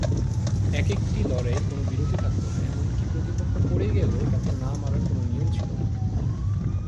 এক একটি লড়াইয়ে কোনো বিরতি থাকত না এমনকি প্রতিপক্ষ পড়ে গেলেও তাকে না মারার কোনো নিয়ম ছিল না।